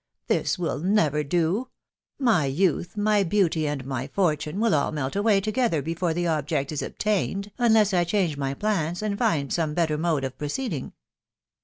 ••. This will never do !.... My youth, my beauty, and my fortune will all melt away together tense the object is obtained, unless I change my plana, and find out some better mode of proceeding."